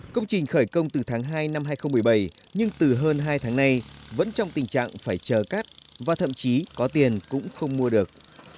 công trình khởi công từ tháng hai năm hai nghìn một mươi bảy nhưng từ hơn hai tháng nay vẫn trong tình trạng phải chờ cắt và thậm chí có tiền cũng không mua được